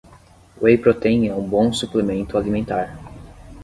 Whey protein é um bom suplemento alimentar